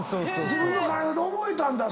自分の体で覚えたんだ。